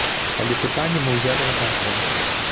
Але пытанне мы ўзялі на кантроль.